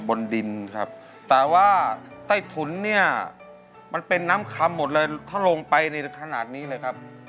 บนดินครับแต่ว่าใต้ถุนเนี่ยมันเป็นน้ำคำหมดเลยถ้าลงไปในขนาดนี้เลยครับ